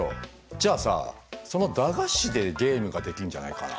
じゃあさその駄菓子でゲームができるんじゃないかな？